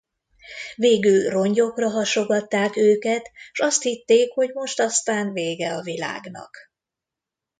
Végül rongyokra hasogatták őket, s azt hitték, hogy most aztán vége a világnak.